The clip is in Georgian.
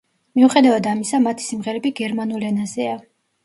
მიუხედავად ამისა, მათი სიმღერები გერმანულ ენაზეა.